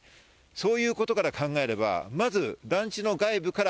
そういうことから考えれば、まず団地の外部から